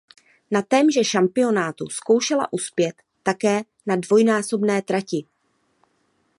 Na témže šampionátu zkoušela uspět také na dvojnásobné trati.